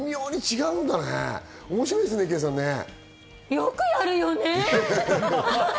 よくやるよね。